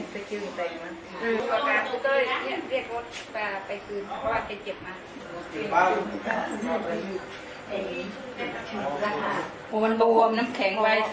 แต่รู้รู้รู้รู้รู้ไม่ไหว